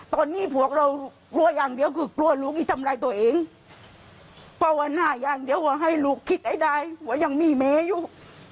ตอนนี้พวกเรากลัวอย่างเดียวคือกลัวลูกจะทำร้ายตัวเองภาวนาอย่างเดียวว่าให้ลูกคิดให้ได้ว่ายังมีแม่อยู่